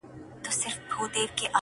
تور تم ته مي له سپیني ورځي بولي غلی غلی-